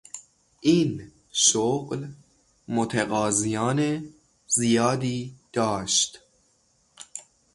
این شغل متقاضیان زیادی داشت.